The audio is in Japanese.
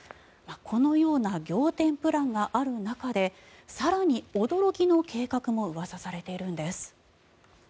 このような仰天プランがある中で更に、驚きの計画もうわさされているんです。